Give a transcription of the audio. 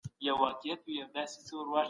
زه هغه وخت تر فشار لاندې کار کاوه.